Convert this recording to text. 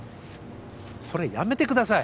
それやめてください